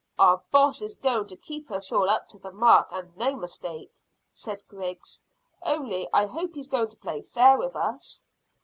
"Our boss is going to keep us all up to the mark, and no mistake," said Griggs, "only I hope he's going to play fair with us."